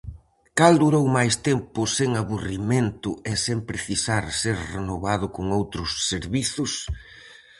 Cal durou máis tempo sen aburrimento e sen precisar ser renovado con outros servizos?